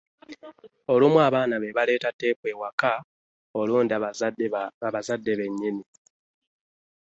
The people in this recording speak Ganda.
Olumu abaana be baleeta tteepu awaka olundi bazadde bennyini.